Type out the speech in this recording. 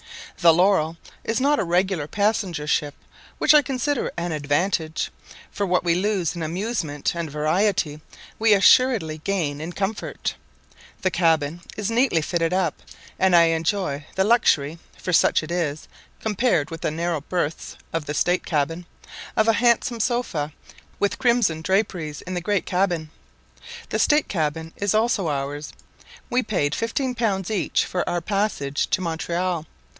The Laurel is not a regular passenger ship, which I consider an advantage, for what we lose in amusement and variety we assuredly gain in comfort. The cabin is neatly fitted up, and I enjoy the luxury (for such it is, compared with the narrow berths of the state cabin) of a handsome sofa, with crimson draperies, in the great cabin. The state cabin is also ours. We paid fifteen pounds each for our passage to Montreal.